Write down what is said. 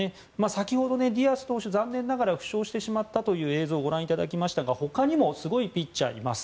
先ほどディアス投手残念ながら負傷してしまったという映像ご覧いただきましたが他にもすごいピッチャーがいます。